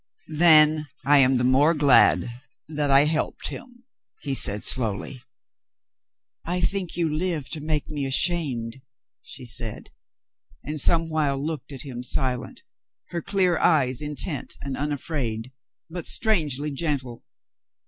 "Then — I am the more glad that I helped him," he said slowly. "I think you live to make me ashamed," she said, and somewhile looked at him silent, her clear eyes intent and unafraid, but strangely gentle.